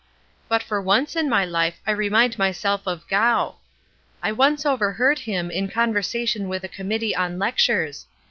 But for once in my life I remind myself of Gough. I once overheard him in conversation with a committee on lectures.